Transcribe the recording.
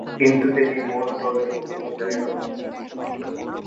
কিন্তু তিনি মূল দলে কখনো জায়গা পান নি।